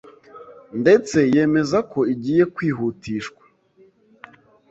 ndetse yemeza ko igiye kwihutishwa,